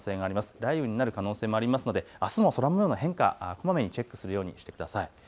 雷雨になる可能性もありますのであすも空模様の変化はこまめにチェックするようにしてください。